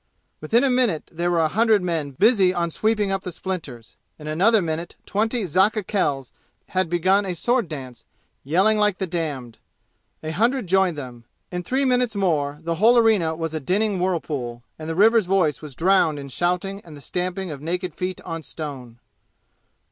Within a minute there were a hundred men busy sweeping up the splinters. In another minute twenty Zakka Khels had begun a sword dance, yelling like the damned. A hundred joined them. In three minutes more the whole arena was a dinning whirlpool, and the river's voice was drowned in shouting and the stamping of naked feet on stone.